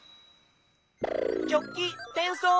ジョッキてんそう！